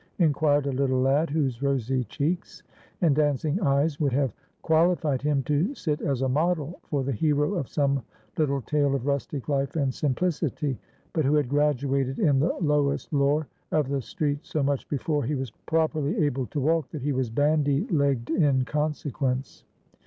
inquired a little lad, whose rosy cheeks and dancing eyes would have qualified him to sit as a model for the hero of some little tale of rustic life and simplicity, but who had graduated in the lowest lore of the streets so much before he was properly able to walk that he was bandy legged in consequence.